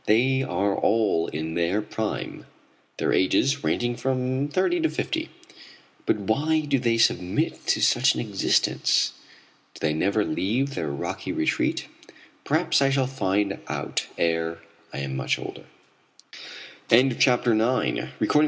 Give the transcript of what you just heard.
They are all in their prime, their ages ranging from thirty to fifty. But why do they submit to such an existence? Do they never leave their rocky retreat? Perhaps I shall find out ere I am much older. CHAPTER X. KER KARRAJE.